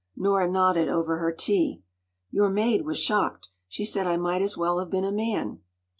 ” Nora nodded over her tea. “Your maid was shocked. She said I might as well have been a man.